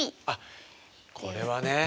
あこれはね。